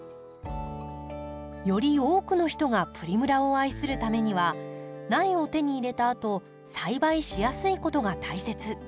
より多くの人がプリムラを愛するためには苗を手に入れたあと栽培しやすいことが大切。